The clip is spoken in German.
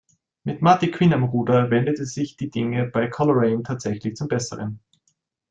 Mit Marty Quinn am Ruder wendeten sich die Dinge bei Coleraine tatsächlich zum Besseren.